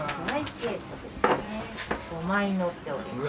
５枚乗っております。